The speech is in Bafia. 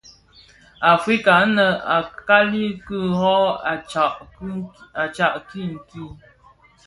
Afrika nʼl, a kali ki rö, a tsad king kii.